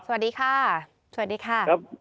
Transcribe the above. สวัสดีค่ะสวัสดีค่ะ